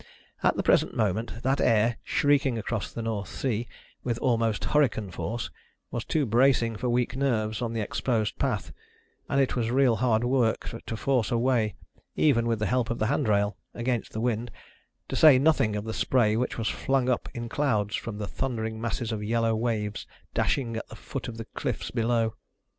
At the present moment that air, shrieking across the North Sea with almost hurricane force, was too bracing for weak nerves on the exposed path, and it was real hard work to force a way, even with the help of the handrail, against the wind, to say nothing of the spray which was flung up in clouds from the thundering masses of yellow waves dashing at the foot of the cliffs below.